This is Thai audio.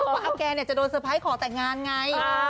ว่าแกจะโดนเตอร์ไพรส์ขอแต่งงานไง